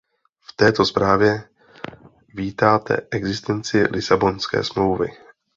V této zprávě vítáte existenci Lisabonské smlouvy.